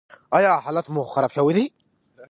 ایا حالت مو خراب شوی دی؟